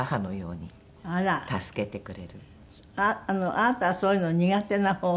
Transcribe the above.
あなたはそういうの苦手な方？